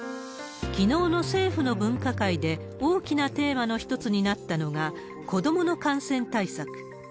きのうの政府の分科会で大きなテーマの一つになったのが、子どもの感染対策。